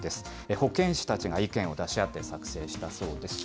保健師たちが意見を出し合って作成したそうです。